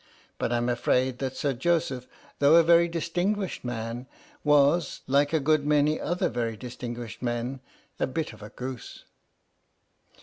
But I'm afraid that Sir Joseph, though a very distinguished man, was, like a good many other very distinguished men, a bit of a goose.)